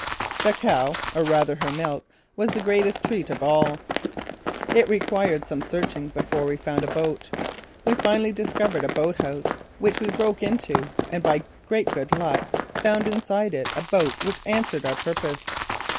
The cow, or rather, her milk, was the greatest treat of all. It required some searching before we found a boat. We finally discovered a boat house which we broke into and by great good luck found inside it a boat which answered our purpose.